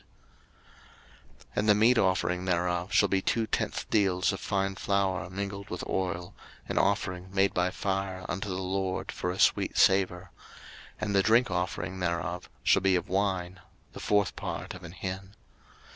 03:023:013 And the meat offering thereof shall be two tenth deals of fine flour mingled with oil, an offering made by fire unto the LORD for a sweet savour: and the drink offering thereof shall be of wine, the fourth part of an hin.